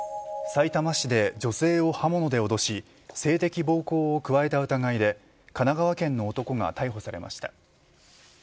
さいたま市で女性を刃物で脅し性的暴行を加えた疑いで神奈川県の男が逮捕されました。